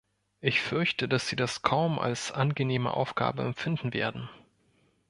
Ich fürchte, dass sie das kaum als angenehme Aufgabe empfinden werden.